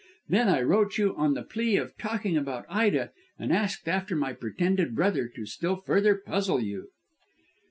Then I wrote you on the plea of talking about Ida and asked after my pretended brother to still further puzzle you."